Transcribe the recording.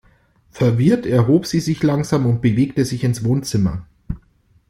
Verwirrt erhob sie sich langsam und bewegte sich ins Wohnzimmer.